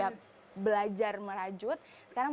rewind menawarkan pelajaran yang harus di stefan rasili